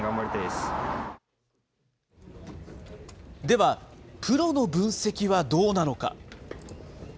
ではプロの分析はどうなのか。